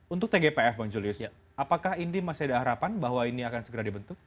untuk tgpf bang julius apakah ini masih ada harapan bahwa ini akan segera dibentuk